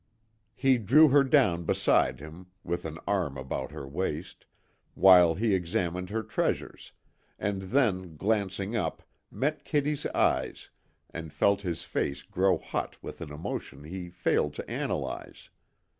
He drew her down beside him, with an arm about her waist, while he examined her treasures, and then glancing up met Kitty's eyes and felt his face grow hot with an emotion he failed to analyse.